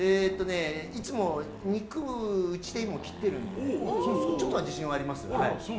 いつも肉を家でも切ってるのでちょっとは自信ありますよ。